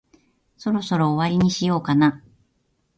そろそろ終わりにしようかな。